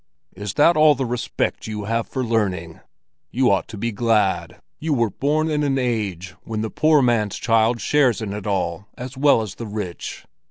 Is that all the respect you have for learning? You ought to be glad you were born in an age when the poor man's child shares in it all as well as the rich.